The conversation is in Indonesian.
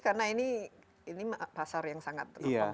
karena ini pasar yang sangat kompetitif kan